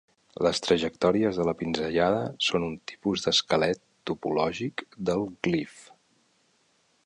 Les trajectòries de la pinzellada són un tipus d'esquelet topològic del glif.